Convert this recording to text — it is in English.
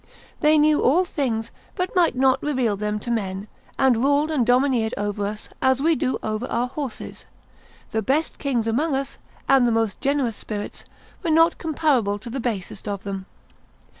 They knew all things, but might not reveal them to men; and ruled and domineered over us, as we do over our horses; the best kings amongst us, and the most generous spirits, were not comparable to the basest of them.